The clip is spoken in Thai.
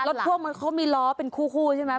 พ่วงเขามีล้อเป็นคู่ใช่ไหม